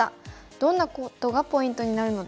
どんなことがポイントになるのでしょうか。